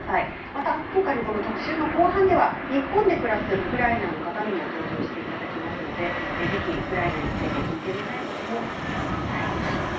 また今回の特集の後半では日本で暮らすウクライナの方にも登場していただきますのでぜひ、ウクライナについて聞いてみたいこともお寄せください。